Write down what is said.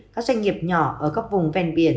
các doanh nghiệp nhỏ ở các vùng ven biển